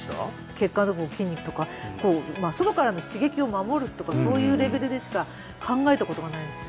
血管とか筋肉とかこうとかそういうレベルでしか考えたことがないです